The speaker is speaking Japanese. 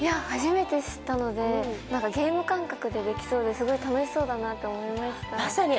初めて知ったので、ゲーム感覚でできそうで、すごい楽しそうだなと思いました。